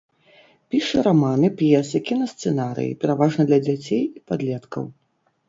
Піша раманы, п'есы, кінасцэнарыі, пераважна для дзяцей і падлеткаў.